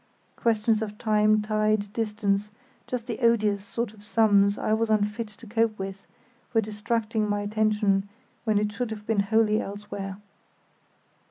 Questions of time, tide, distance—just the odious sort of sums I was unfit to cope with—were distracting my attention when it should have been wholly elsewhere.